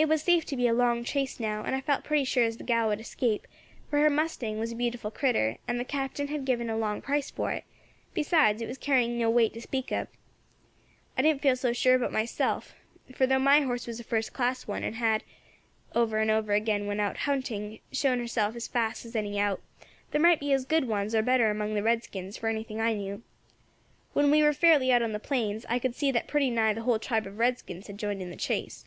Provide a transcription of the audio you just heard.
It was safe to be a long chase now, and I felt pretty sure as the gal would escape, for her mustang was a beautiful critter, and the Captain had given a long price for it; besides, it was carrying no weight to speak of. I didn't feel so sure about myself, for though my horse was a first class one, and had over and over again, when out hunting, showed herself as fast as any out, there might be as good ones or better among the redskins, for anything I knew. When we were fairly out on the plains, I could see that pretty nigh the whole tribe of redskins had joined in the chase.